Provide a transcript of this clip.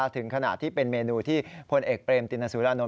ถึงขนาดที่เป็นเมนูที่พลเอกเปรมตินสุรานนท